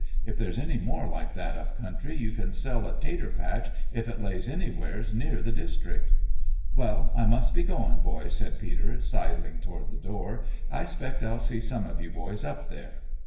If there's any more like that up country you can sell a 'tater patch if it lays anywheres near the district!" "Well, I must be goin', boys," said Peter, sidling toward the door; "and I 'spect I'll see some of you boys up there?"